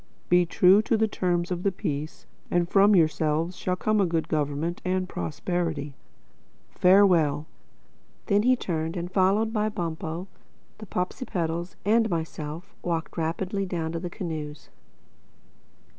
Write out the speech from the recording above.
Be true to the terms of the Peace and from yourselves shall come good government and prosperity—Farewell!" Then he turned and followed by Bumpo, the Popsipetels and myself, walked rapidly down to the canoes.